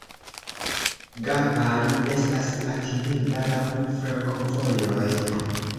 Gapan estas atingebla laŭ flankovojoj.